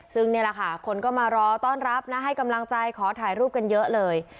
ซึ่งนี่แหละค่ะคนก็มารอต้อนรับนะให้กำลังใจขอถ่ายรูปกันเยอะเลย